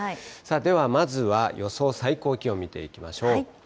では、まずは予想最高気温見ていきましょう。